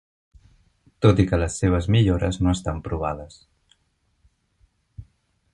Tot i que les seves millores no estan provades.